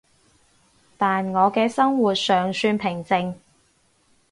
但我嘅生活尚算平靜